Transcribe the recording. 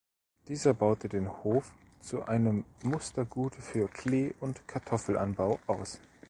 Dieser baute den Hof zu einem Mustergut für Klee- und Kartoffelanbau aus.